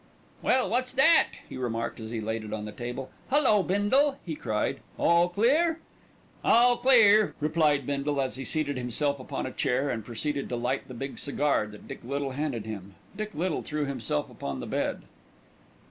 "Well, that's that!" he remarked as he laid it on the table. "Hullo, Bindle!" he cried. "All Clear?" "All Clear!" replied Bindle as he seated himself upon a chair and proceeded to light the big cigar that Dick Little handed him. Dick Little threw himself upon the bed.